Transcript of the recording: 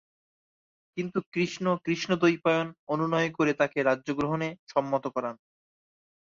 কিন্তু কৃষ্ণ, কৃষ্ণ-দ্বৈপায়ন, অনুনয় করে তাঁকে রাজ্য গ্রহণে সম্মত করান।